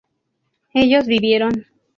ellos vivieron